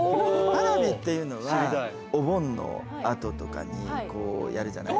花火っていうのはお盆のあととかにこうやるじゃない。